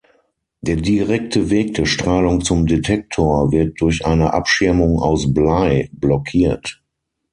Der direkte Weg der Strahlung zum Detektor wird durch eine Abschirmung aus Blei blockiert.